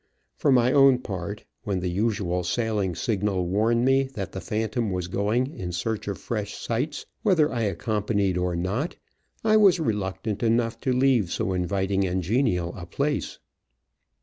For my own part, when the usual sailing signal warned me that the Phaniom was going in search of fresh sights, whether I accompanied or not, I was reluctant enough to leave so inviting and genial a place.